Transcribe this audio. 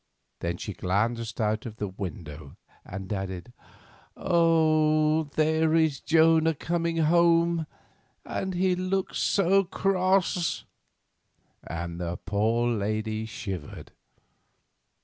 Then she glanced out of the window, and added: "Oh, there is Jonah coming home, and he looks so cross," and the poor lady shivered.